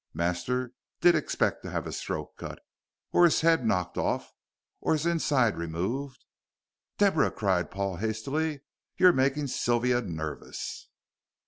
"Master did expect to have his throat cut, or his 'ead knocked orf, or his inside removed " "Deborah," cried Paul, hastily, "you are making Sylvia nervous."